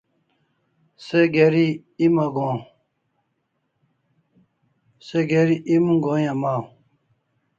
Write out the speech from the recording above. Se geri em go'in amaw